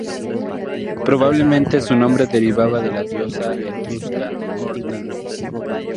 Probablemente su nombre derivaba de la diosa etrusca Horta.